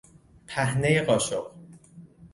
پهنهی قاشق